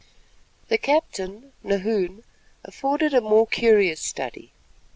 The captain, Nahoon, afforded a more curious study.